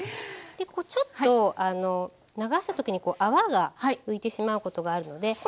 ちょっと流した時に泡が浮いてしまうことがあるので。